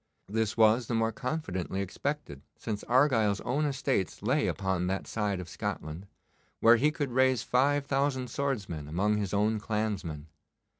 This was the more confidently expected since Argyle's own estates lay upon that side of Scotland, where he could raise five thousand swordsmen among his own clansmen.